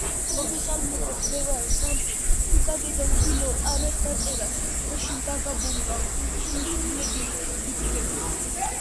ისინი პირდაპირი რეისით ვერ გაფრინდნენ ბერლინში და ლონდონის ბილეთი აიღეს.